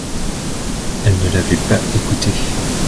Elles ne l’avaient pas écouté.